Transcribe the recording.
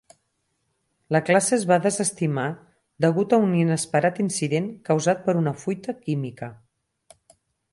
La classe es va desestimar degut a un inesperat incident causat per una fuita química.